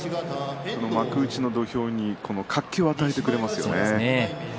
幕内の土俵に活気を与えてくれますよね。